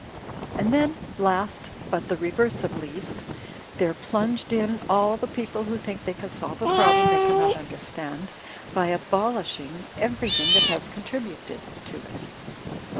And then, last but the reverse of least, there plunged in all the people who think they can solve a problem they cannot understand by abolishing everything that has contributed to it.